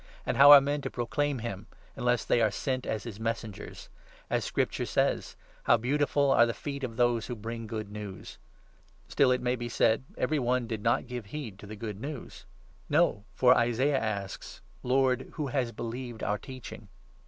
And how are men to proclaim him unless they are sent as his 15 messengers ? As Scripture says —' How beautiful are the feet of those who bring good news !' Still, it may be said, ever}7 one did not give heed to the Good 16 Ne vs. No, for Isaiah asks —' Lord, who has believed our teaching ?' 2 «3 Isa. 8. 14; 28. 16.